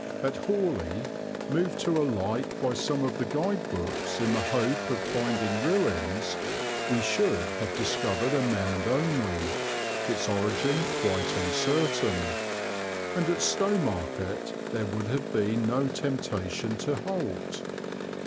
At Haughley, moved to alight by some of the guide books in the hope of finding ruins, we should have discovered a mound only, its origin quite uncertain; and at Stowmarket there would have been no temptation to halt.